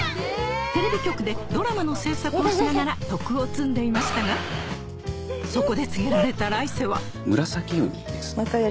テレビ局でドラマの制作をしながら徳を積んでいましたがそこで告げられた来世はムラサキウニですね。